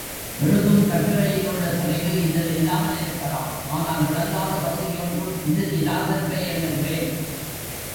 எழுதும் கட்டுரையில் உள்ள செறிவு இதில் இல்லாமல் இருக்கலாம் ஆனால் விளங்காத பகுதி ஒன்றும் இதில் இராதென்றே எண்ணுகிறேன்.